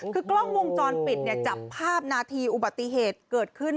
คือกล้องวงจรปิดจับภาพนาทีอุบัติเหตุเกิดขึ้น